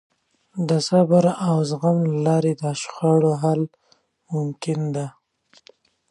د صبر او زغم له لارې د شخړو حل ممکن دی.